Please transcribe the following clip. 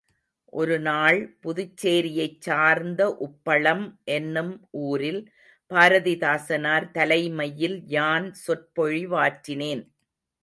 ஒருநாள் புதுச்சேரியைச் சார்ந்த உப்பளம் என்னும் ஊரில் பாரதிதாசனார் தலைமையில் யான் சொற்பொழிவாற்றினேன்.